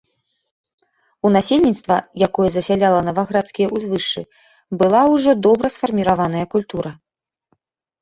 У насельніцтва, якое засяляла наваградскія ўзвышшы, была ўжо добра сфарміраваная культура.